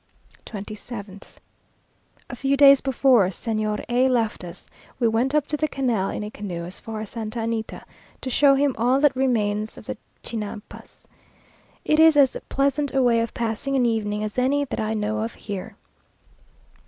27th. A few days before Señor A left us, we went up the canal in a canoe, as far as Santa Anita, to show him all that remains of the Chinampas. It is as pleasant a way of passing an evening as any that I know of here.